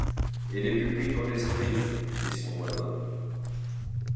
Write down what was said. Et les pupitres des scribes ! dit son voisin.